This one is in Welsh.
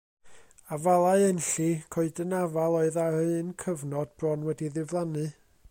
Afalau Enlli, coeden afal oedd ar un cyfnod bron wedi diflannu.